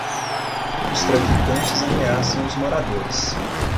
Os traficantes ameaçam os moradores.